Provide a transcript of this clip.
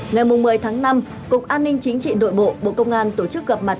ngày một mươi tháng năm cục an ninh chính trị nội bộ bộ công an tổ chức gặp mặt